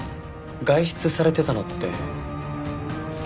外出されてたのって。